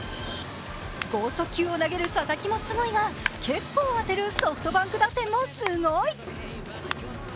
剛速球を投げる佐々木もすごいが結構当てるソフトバンク打線もすごい。